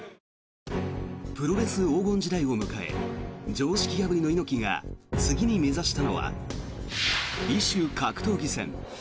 プロレス黄金時代を迎え常識破りの猪木が次に目指したのは異種格闘技戦。